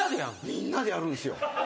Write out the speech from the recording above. みんなでやるんですよ。